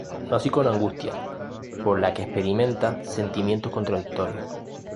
No así con Angustias, por la que experimenta sentimientos contradictorios.